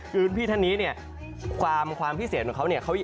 คือพี่ท่านนี้เนี่ยความพิเศษของเขาเนี่ย